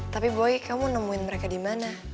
tapi boy kamu nemuin mereka di mana